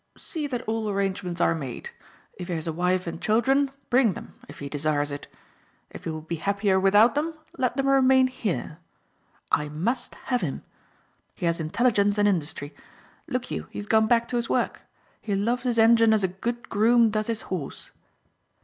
"See that all arrangements are made. If he has a wife and children bring them if he desires it. If he will be happier without them let them remain here. I must have him. He has intelligence and industry. Look you, he has gone back to his work. He loves his engine as a good groom does his horse."